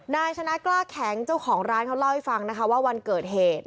นายชนะกล้าแข็งเจ้าของร้านเขาเล่าให้ฟังนะคะว่าวันเกิดเหตุ